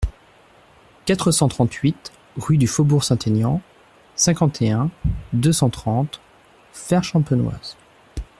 quatre cent trente-huit rue du Faubourg Saint-Aignan, cinquante et un, deux cent trente, Fère-Champenoise